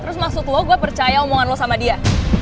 terus maksud lo gue percaya omongan lo sama dia